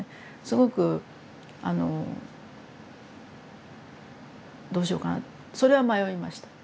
すごくあのどうしようかなそれは迷いました。